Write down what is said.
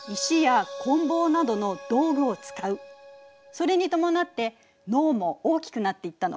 それに伴って脳も大きくなっていったの。